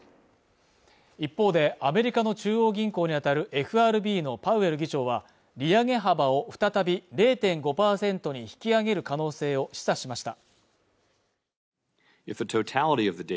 一方で、アメリカの中央銀行にあたるＦＲＢのパウエル議長は利上げ幅を再び０．５％に引き上げる可能性を示唆しました。